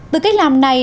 từ cách làm này